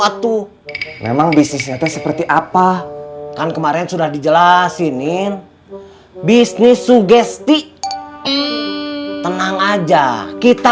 waktu memang bisnisnya itu seperti apa kan kemarin sudah dijelasinin bisnis sugesti tenang aja kita